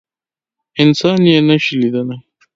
انسان يي نشي لیدلی